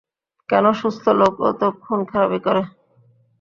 কেন, সুস্থ লোকও তো খুনখারাবি করে।